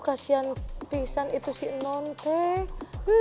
kasian pingsan itu si nontek